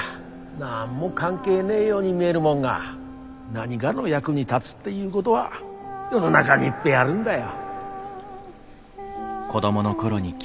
何も関係ねえように見えるもんが何がの役に立つっていうごどは世の中にいっぺえあるんだよ。